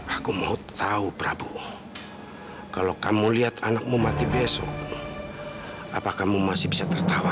hai aku mau tahu prabu kalau kamu lihat anakmu mati besok apa kamu masih bisa tertawa